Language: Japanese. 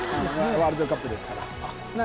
ワールドカップですからなあ